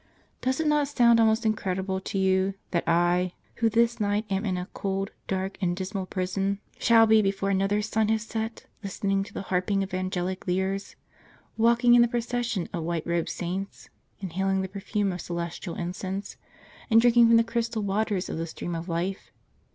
Does it not sound almost incredible to you, that I, who this night am in a cold, dark, and dismal prison, shall be, before another sun has set, listening to the harping of angelic lyres, walking in the procession of white robed Saints, inhaling the perfume of celestial incense, and drinking from the crystal waters of the stream of life?